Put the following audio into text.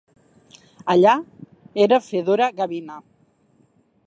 Allà, era Fedora Gavina.